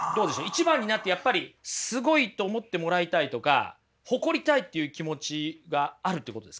一番になってやっぱりすごいと思ってもらいたいとか誇りたいっていう気持ちがあるってことですか？